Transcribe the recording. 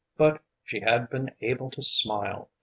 But she had been able to smile!